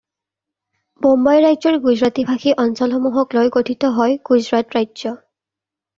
বোম্বাই ৰাজ্যৰ গুজৰাটী-ভাষী অঞ্চলসমূহক লৈ গঠিত হয় গুজৰাট ৰাজ্য।